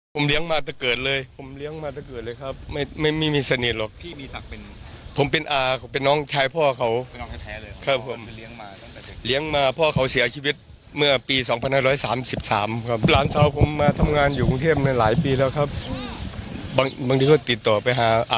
หลังจากนี้ก็นำศพไปประกอบพิธีทางศาสนาที่วัดที่จังหวัดสมุทรปราการค่ะ